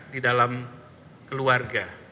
di dalam keluarga